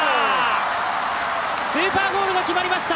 スーパーゴールが決まりました